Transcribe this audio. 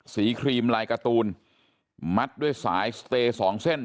ครีมลายการ์ตูนมัดด้วยสายสเตย์สองเส้น